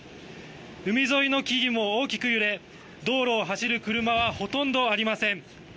海沿いの木々も大きく揺れ道路を走る車はほとんどありません。